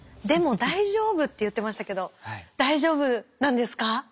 でも大丈夫！」って言ってましたけど大丈夫なんですか？